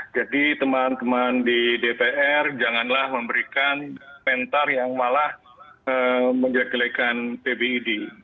jadi teman teman di dpr janganlah memberikan mentor yang malah menjagelikan pbid